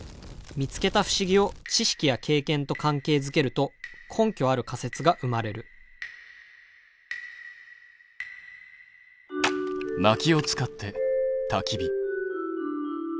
見つけた不思議を知識や経験と関係づけると根拠ある仮説が生まれるまきを使ってたき火。